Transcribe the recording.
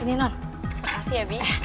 eh ini non terima kasih ya bi